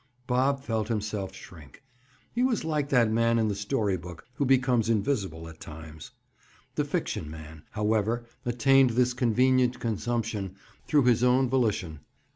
Bob felt himself shrink. He was like that man in the story book who becomes invisible at times. The fiction man, however, attained this convenient consummation through his own volition.